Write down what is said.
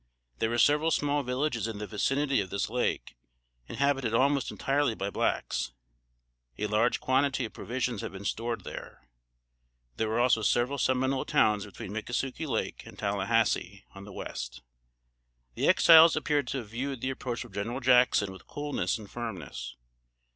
There were several small villages in the vicinity of this Lake, inhabited almost entirely by blacks. A large quantity of provisions had been stored there. There were also several Seminole towns between Mickasukie Lake and Tallahasse, on the west. The Exiles appear to have viewed the approach of General Jackson with coolness and firmness.